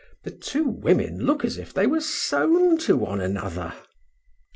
The two women look as if they were sewn to one another."